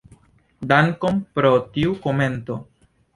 Dankon pro tiu komento.